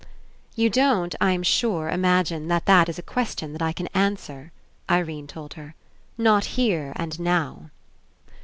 "You don't, I'm sure, imagine that that Is a question that I can answer," Irene told her. "Not here and now."